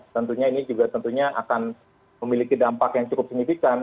tentunya ini juga tentunya akan memiliki dampak yang cukup signifikan